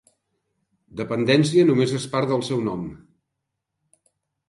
Dependència només és part del seu nom.